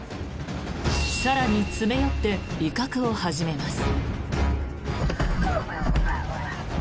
更に詰め寄って威嚇を始めます。